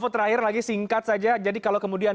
terakhir lagi singkat saja jadi kalau kemudian